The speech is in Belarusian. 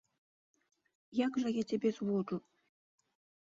Як жа я цябе зводжу?